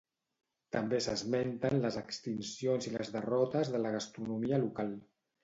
També s'esmenten les extincions i les derrotes de la gastronomia local.